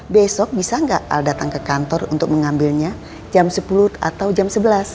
besok bisa nggak al datang ke kantor untuk mengambilnya jam sepuluh atau jam sebelas